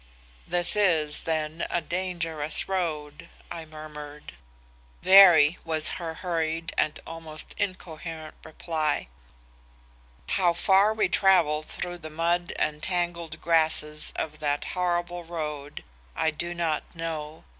"'This is, then, a dangerous road,' I murmured. "'Very,' was her hurried and almost incoherent reply. "How far we travelled through the mud and tangled grasses of that horrible road I do not know.